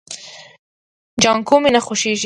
جانکو مې نه خوښيږي.